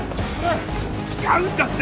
違うんだって！